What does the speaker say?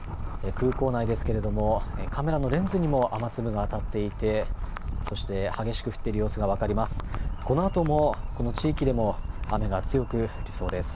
空港内ですけれども、カメラのレンズにも雨粒が当たっていて、そして激しく降っている様子が分かります。